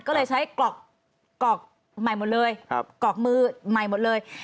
ก็เลยใช้กรอกใหม่หมดเลยกรอกมือใหม่หมดเลย